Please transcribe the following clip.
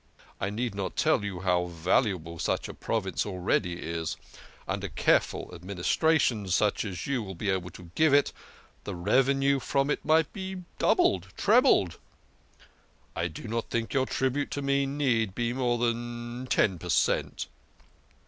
I need not tell you how valu able such a prov ince already is ; under careful ad ministration, such as you would be able to give it, the revenue from it might be doubled, trebled. I do not think your tribute to me need be more than ten per cent."